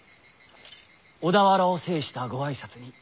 小田原を制したご挨拶に。